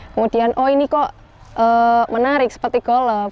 kemudian oh ini kok menarik seperti golf